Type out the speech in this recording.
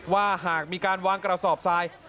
ว่าหากมีการวางกระสอบทราย